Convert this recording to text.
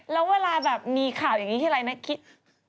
แล้วเวลาแบบมีข่าวอย่างนี้ทีไรนะคิด